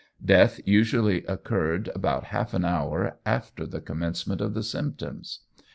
Death usually occurred about half an hour after the commencement of the symptoms.